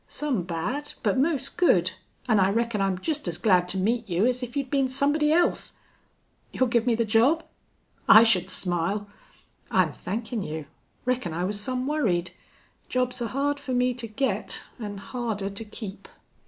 Some bad, but most good, an' I reckon I'm jest as glad to meet you as if you'd been somebody else." "You'll give me the job?" "I should smile." "I'm thankin' you. Reckon I was some worried. Jobs are hard for me to get an' harder to keep."